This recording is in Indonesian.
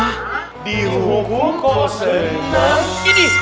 hah di hukum kau senang ini